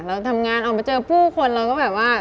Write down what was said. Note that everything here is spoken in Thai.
เราทำงานออกมาเจอผู้คนเราก็แบบว่า